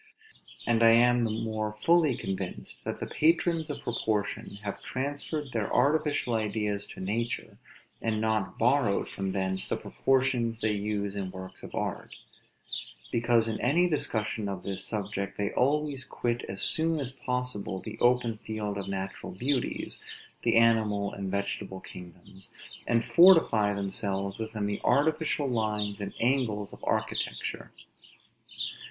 And I am the more fully convinced, that the patrons of proportion have transferred their artificial ideas to nature, and not borrowed from thence the proportions they use in works of art; because in any discussion of this subject they always quit as soon as possible the open field of natural beauties, the animal and vegetable kingdoms, and fortify themselves within the artificial lines and angles of architecture.